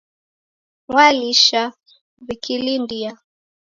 Walisha wikilindia